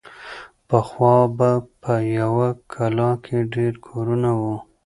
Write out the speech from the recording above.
پخوا به په یوه کلا کې ډېر کورونه وو.